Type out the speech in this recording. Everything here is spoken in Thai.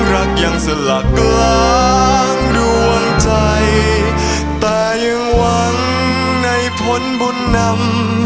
รักยังสละกลางดวงใจแต่ยังหวังในผลบุญนำ